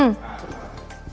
nah apa rasanya